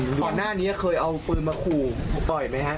อืมบ่อน่านี้เขาเอาเป็นมาขู่ปล่อยมั้ยฮะ